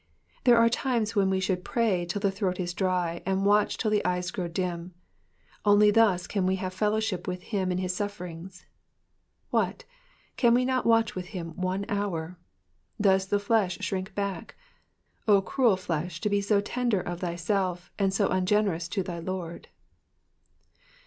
There are times when we should pray till the throat is dry, and watch till the eyes grow dim. Only thus can we have fel lowship with him in his sulferingB. What ! can we not watch with him one hoar ? Does the flesh shrink back f O cmel flesh to be so tender of thyself, and so nngeoerous to thy Lord